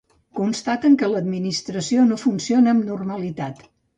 Constaten que l’administració no funciona amb normalitat.